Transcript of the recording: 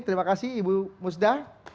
terima kasih ibu musda